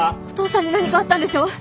お父さんに何かあったんでしょ？